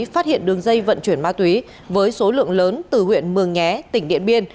phát hiện đường dây vận chuyển ma túy với số lượng lớn từ huyện mường nhé tỉnh điện biên